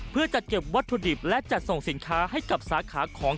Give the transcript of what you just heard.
เพื่อจัดเก็บวัตถุดิบและจัดส่งสินค้าให้กับสาขาของ